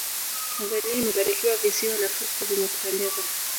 tanzania imebarikiwa visiwa na fukwe zenye kupendeza